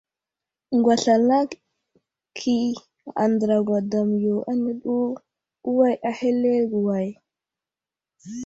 Ŋgwaslalaki andra gwadam yo áne ɗu, uway ahelerge way ?